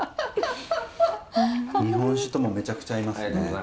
日本酒ともめちゃくちゃ合いますね。